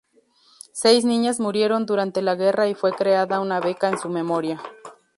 Seis niñas murieron durante la guerra y fue creada una beca en su memoria.